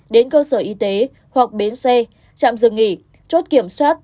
đến cơ sở y tế hoặc bến xe trạm dừng nghỉ chốt kiểm soát